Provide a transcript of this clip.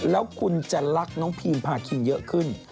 แล้วคุณจะรักน้องพีมพาคินเยอะขึ้น